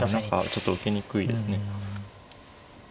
ちょっと受けにくいですね。